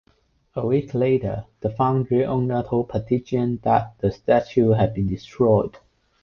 A week later, the foundry owner told Patigian that the statue had been destroyed.